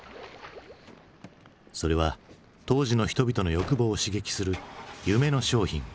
それは当時の人々の欲望を刺激する夢の商品。